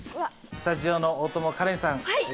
スタジオの大友花恋さん